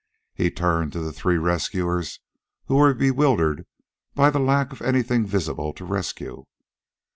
He turned to the three rescuers, who were bewildered by the lack of anything visible to rescue.